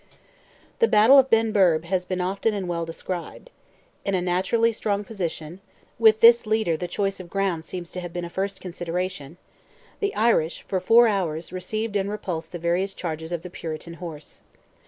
The battle of Benburb has been often and well described. In a naturally strong position—with this leader the choice of ground seems to have been a first consideration—the Irish, for four hours, received and repulsed the various charges of the Puritan horse.